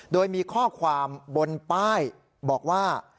โดยมีข้อความบนป้ายบอกว่า